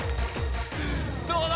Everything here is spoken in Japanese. どうだ？